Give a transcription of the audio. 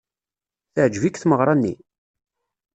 Teɛjeb-ik tmeɣra-nni?